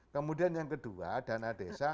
kemudian yang kedua dana desa